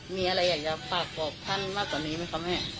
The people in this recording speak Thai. มีอะไรอยากจะฝากบอกท่านมากกว่านี้ไหมคะแม่